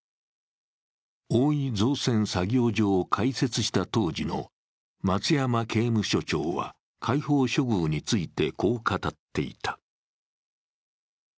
大井造船作業場を開設した当時の松山刑務所長は開放処遇についてこう語っていた。